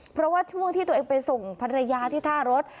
เพราะว่าช่วงที่ตัวเองไปส่งภรรยาที่ท่ารถ